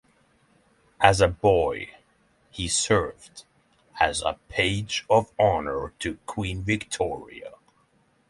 As a boy, he served as a Page of Honour to Queen Victoria.